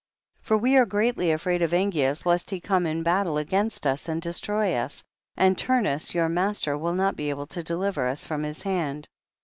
13. For we are greatly afraid of Angeas lest he come in battle against us and destroy us, and Turnus your master will not be able to deliver us from his hand.